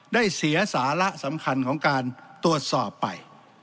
ได้เสียสาระสำคัญของการตรวจสอบไป